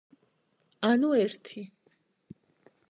ანუ ერთი.